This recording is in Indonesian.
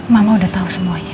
mama udah tahu semuanya